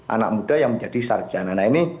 anak muda yang menjadi sarjana nah ini